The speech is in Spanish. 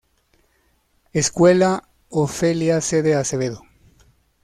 Escuela Ofelia C. de Acevedo.